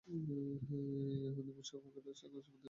য়াহুদীধর্মেও মুশা ও প্রফেটদের সম্বন্ধে এই রকম এক ধারণা আছে।